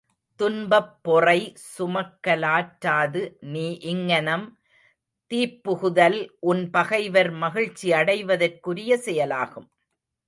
துன்பப் பொறை சுமக்கலாற்றாது நீ இங்ஙனம் தீப்புகுதல் உன் பகைவர் மகிழ்ச்சி அடைவதற்குரிய செயலாகும்.